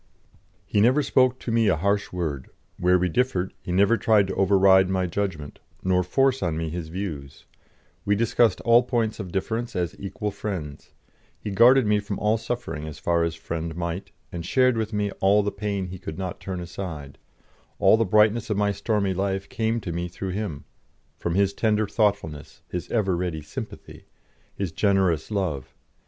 He never spoke to me a harsh word; where we differed, he never tried to override my judgment, nor force on me his views; we discussed all points of difference as equal friends; he guarded me from all suffering as far as friend might, and shared with me all the pain he could not turn aside; all the brightness of my stormy life came to me through him, from his tender thoughtfulness, his ever ready sympathy, his generous love.